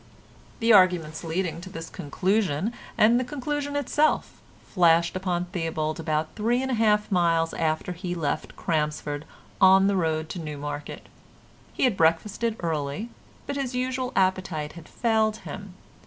The arguments leading to this conclusion, and the conclusion itself, flashed upon Theobald about three and a half miles after he had left Crampsford on the road to Newmarket. He had breakfasted early, but his usual appetite had failed him.